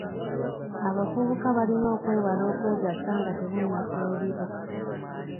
Abavubuka balina okwewala okwegatta nga tebannafumbirwa.